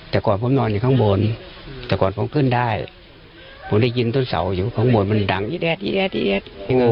แต่ก่อนผมนอนอยู่ข้างบนแต่ก่อนผมขึ้นได้ผมได้ยินต้นเสาอยู่ข้างบนมันดังอีแดดอีแอด